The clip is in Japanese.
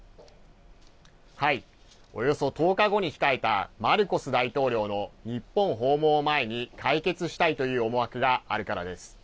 およそ１０日後に控えたマルコス大統領の日本訪問を前に解決したいという思惑があるからです。